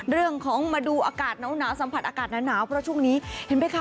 เรื่องของมาดูอากาศหนาวสัมผัสอากาศหนาวเพราะช่วงนี้เห็นไหมคะ